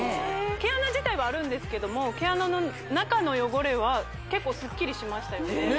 毛穴自体はあるんですけども毛穴の中の汚れは結構スッキリしましたよねねえ！